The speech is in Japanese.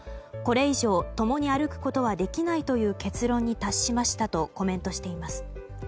これ以上、共に歩くことはできないという結論に達しましたとコメントしています。